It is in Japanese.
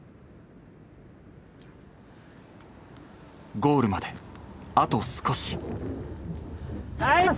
ゴールまであと少し。